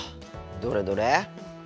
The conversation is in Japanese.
どれどれ？